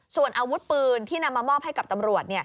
ส่วนอาวุธปืนที่นำมามอบให้กับตำรวจ